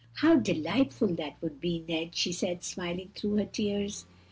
"How delightful that would be, Ned!" she said, smiling through her tears.